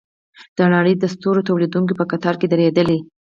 د نړۍ د سترو تولیدوونکو په کتار کې دریدلي.